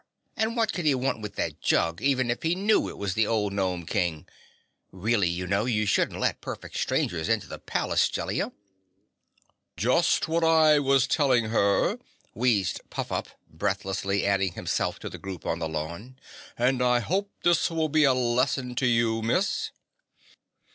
And what could he want with that jug, even if he knew it was the old Gnome King? Really, you know, you shouldn't let perfect strangers into the palace, Jellia." "Just what I was telling her," wheezed Puffup, breathlessly adding himself to the group on the lawn, "and I hopes this will be a lesson to you, Miss."